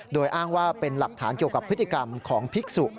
โดยอ้างว่าเป็นหลักฐานเกี่ยวกับพฤติกรรมของภิกษุ